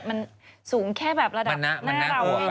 แต่มันสูงแค่แบบระดับเมื่อนี้แห็ง